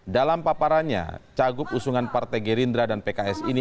dalam paparannya cagup usungan partai gerindra dan pks ini